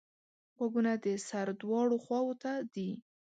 غوږونه د سر دواړو خواوو ته دي